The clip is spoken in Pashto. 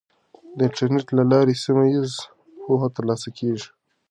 د انټرنیټ له لارې سیمه ییزه پوهه ترلاسه کیږي.